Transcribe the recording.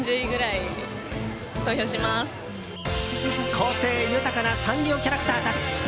個性豊かなサンリオキャラクターたち。